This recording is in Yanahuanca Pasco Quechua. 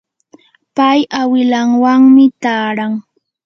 pay awilanwanmi taaran.